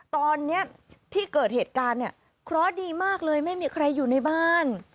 ตอนนี้ที่เกิดเหตุการณ์เนี่ยเคราะห์ดีมากเลยไม่มีใครอยู่ในบ้าน